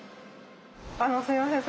あのすいません。